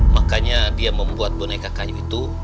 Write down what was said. makanya dia membuat boneka kayu itu